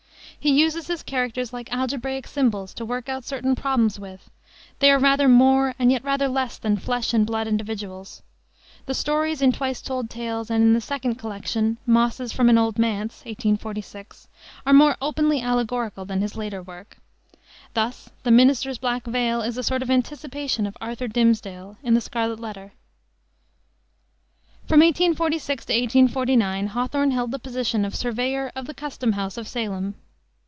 He uses his characters like algebraic symbols to work out certain problems with: they are rather more and yet rather less than flesh and blood individuals. The stories in Twice Told Tales and in the second collection, Mosses from an Old Manse, 1846, are more openly allegorical than his later work. Thus the Minister's Black Veil is a sort of anticipation of Arthur Dimmesdale in the Scarlet Letter. From 1846 to 1849 Hawthorne held the position of Surveyor of the Custom House of Salem.